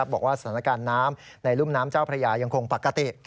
บอกว่าสถานการณ์น้ำในรุ่มน้ำเจ้าพระยายังคงปกติ